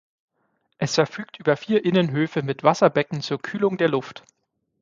Es verfügt über vier Innenhöfe mit Wasserbecken zur Kühlung der Luft.